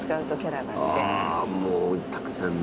もうたくさんの。